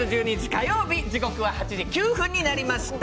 火曜日時刻は８時９分になりました。